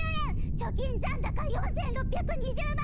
貯金残高４６２０万。